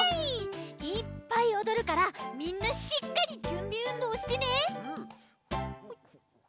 いっぱいおどるからみんなしっかりじゅんびうんどうしてね！